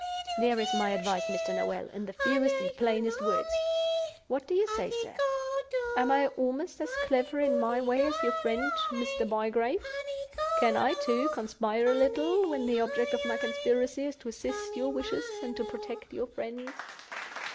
There is my advice, Mr. Noel, in the fewest and plainest words. What do you say, sir? Am I almost as clever in my way as your friend Mr. Bygrave? Can I, too, conspire a little, when the object of my conspiracy is to assist your wishes and to protect your friends?"